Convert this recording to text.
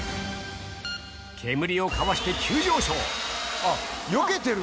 煙をかわして急上昇。